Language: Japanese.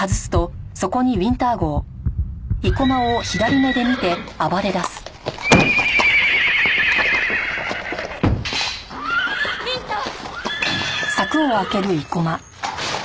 駄目ウィンター！